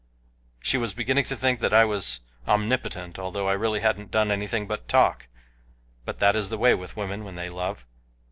She was beginning to think that I was omnipotent although I really hadn't done anything but talk but that is the way with women when they love.